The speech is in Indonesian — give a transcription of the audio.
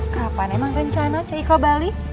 kapan emang rencana cik iko balik